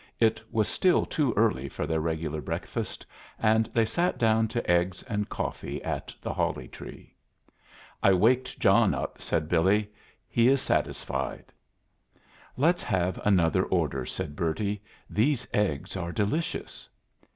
It was still too early for their regular breakfast, and they sat down to eggs and coffee at the Holly Tree. "I waked John up," said Billy. "He is satisfied." "Let's have another order," said Bertie. "These eggs are delicious."